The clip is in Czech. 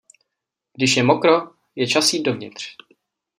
Když je mokro, je čas jít dovnitř.